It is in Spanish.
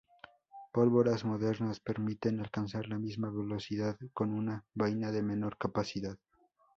Pólvoras modernas permiten alcanzar la misma velocidad con una vaina de menor capacidad.